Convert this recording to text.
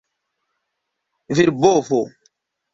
virbovo